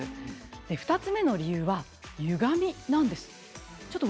２つ目の理由は、ゆがみなんです。